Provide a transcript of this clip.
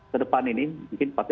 kedepan ini mungkin pasir pasir